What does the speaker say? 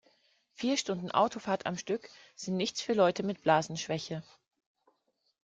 Vier Stunden Autofahrt am Stück sind nichts für Leute mit Blasenschwäche.